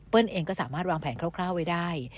เองก็สามารถวางแผนคร่าวไว้ได้